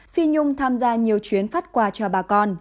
phi nhung tham gia nhiều chuyến phát quà cho bà con